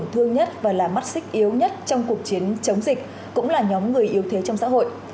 những người yếu nhất và là mắt xích yếu nhất trong cuộc chiến chống dịch cũng là nhóm người yếu thế trong xã hội